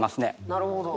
なるほど。